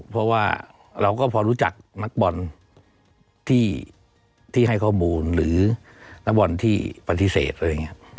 เพราะว่าเราก็พอรู้จักนักบอลที่ให้ข้อมูลหรือนักบอลที่ปฏิเสธอะไรอย่างนี้